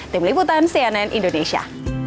tim liputan cnn indonesia